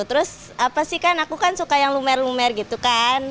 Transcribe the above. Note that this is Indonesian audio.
terus apa sih kan aku kan suka yang lumer lumer gitu kan